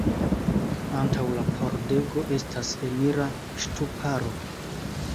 Antaŭ la pordego estas enira ŝtuparo.